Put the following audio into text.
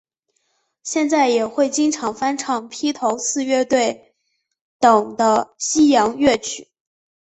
现在也会经常翻唱披头四乐队等的西洋乐曲。